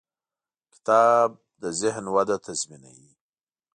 کتاب د ذهن وده تضمینوي.